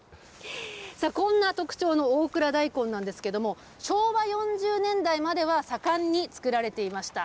こんな特徴の大蔵大根なんですけれども、昭和４０年代までは盛んに作られていました。